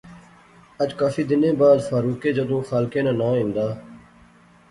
اج کافی دنیں بعد فاروقیں جدوں خالقے ناں ناں ہندا